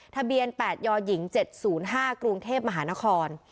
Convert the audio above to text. ทะเบียนแปดยอหญิงเจ็ดศูนย์ห้ากรุงเทพมหานคร